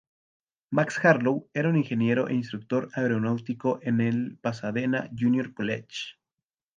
Max Harlow era un ingeniero e instructor aeronáutico en el Pasadena Junior College.